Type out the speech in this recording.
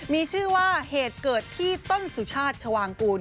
มีชื่อว่าเหตุเกิดที่ต้นสุชาติชวางกูล